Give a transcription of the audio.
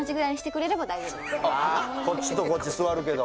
こっちとこっち座るけど